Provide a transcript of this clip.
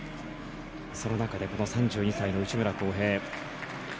その中でこの３２歳の内村航平。